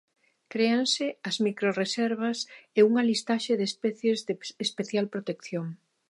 Créanse as microrreservas e unha listaxe de especies de especial protección.